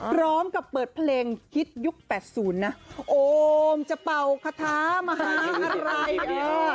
พร้อมกับเปิดเพลงฮิตยุคแปดศูนย์นะโอ้มจะเป่าคาท้ามหาอะไรนะ